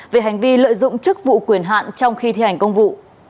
về hành vi lợi dụng chức vụ quyền hạn trong khi thi hành công vụ